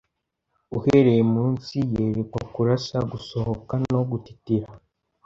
Uhereye munsi yerekwa Kurasa gusohoka no gutitira